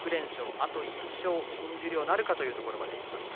あと１勝、新十両なるかというところまでなりました。